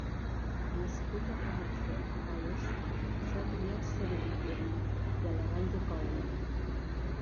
Nascut a Carmarthen, Gal·les, es va criar a Ceredigion i a la vall de Conwy.